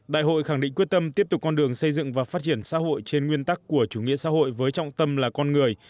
đại hội khẳng định quyết tâm tiếp tục con đường xây dựng và phát triển xã hội trên nguyên tắc của chủ nghĩa xã hội với trọng tâm là con người